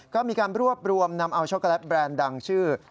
ก็มีการรวบรวมนำเอาช็อกโกแลตแบรนด์ดังชื่อ